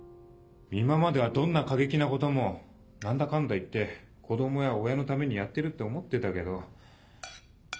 今まではどんな過激なことも何だかんだ言って子供や親のためにやってるって思ってたけど。